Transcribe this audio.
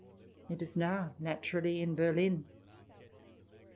It is now naturally in Berlin.